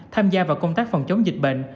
tham gia vào công tác phòng chống dịch bệnh